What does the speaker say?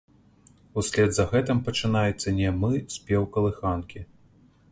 Услед за гэтым пачынаецца нямы спеў калыханкі.